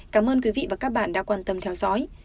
cảm ơn quý vị và các bạn đã quan tâm theo dõi